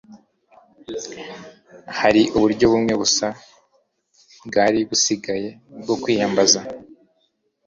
hari uburyo bumwe gusa bwari busigaye bwo kwiyambaza